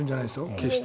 決して。